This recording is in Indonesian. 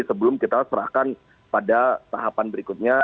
sebelum kita serahkan pada tahapan berikutnya